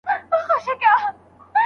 تاسي باید خپل حساب تل اپډیټ وساتئ.